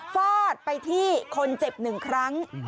ฟาดไปที่คนเจ็บหนึ่งครั้ง